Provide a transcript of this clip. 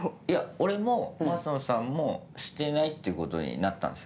俺も升野さんもしてないっていうことになったんです。